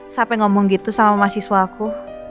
sampai ngomong gitu sama mahasiswaku